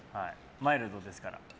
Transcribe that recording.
マイルドですから。